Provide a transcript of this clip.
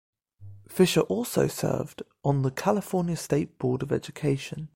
Fisher also served on the California State Board of Education.